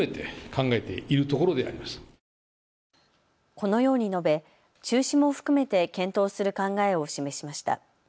このように述べ中止も含めて検討する考えを示しました。